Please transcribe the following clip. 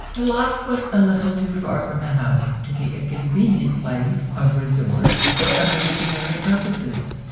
The loch was a little too far from the house to be a convenient place of resort for ablutionary purposes.